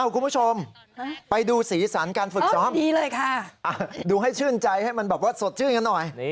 คุณผู้ชมไปดูสีสันการฝึกซ้อมดีเลยค่ะดูให้ชื่นใจให้มันแบบว่าสดชื่นกันหน่อย